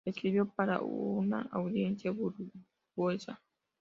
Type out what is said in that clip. Escribió para una audiencia burguesa.